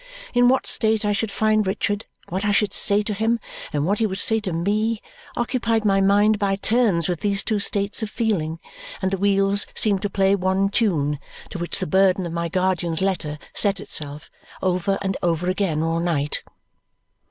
In what state I should find Richard, what I should say to him, and what he would say to me occupied my mind by turns with these two states of feeling; and the wheels seemed to play one tune (to which the burden of my guardian's letter set itself) over and over again all night.